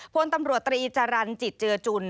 โพสตำรวจตรีจารัญจิตเจลจุล